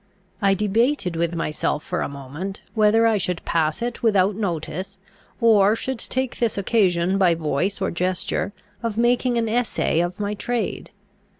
I debated with myself for a moment, whether I should pass it without notice, or should take this occasion, by voice or gesture, of making an essay of my trade.